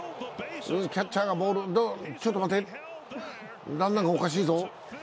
キャッチャーがボール、ちょっと待て、ランナーがおかしいぞ。